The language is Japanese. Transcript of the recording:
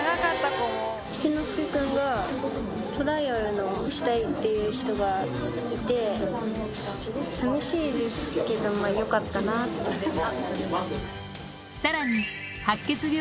七ノ助くんが、トライアルしたいっていう人がいて、さみしいですけど、よかったなと思います。